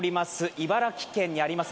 茨城県にあります